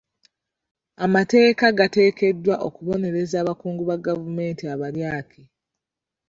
Amateeka gateekeddwa okubonereza abakungu ba gavumenti abalyake.